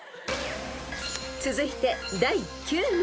［続いて第９問］